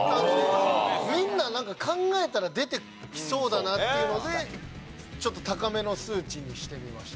みんななんか考えたら出てきそうだなっていうのでちょっと高めの数値にしてみました。